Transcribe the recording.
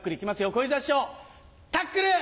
小遊三師匠タックル！